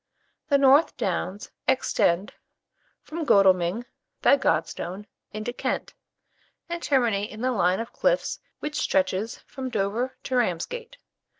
The North Downs extend from Godalming, by Godstone, into Kent, and terminate in the line of cliffs which stretches from Dover to Ramsgate.